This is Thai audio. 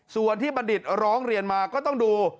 ส่วนที่บัณฑิตร้องเรียนมาก็ต้องดู